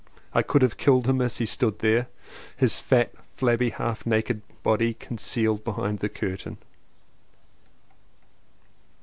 I could have killed him as he stood there with his fat, flabby, half naked body con cealed behind the curtain!